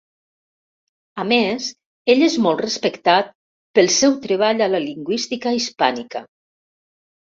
A més, ell és molt respectat pel seu treball a la lingüística hispànica.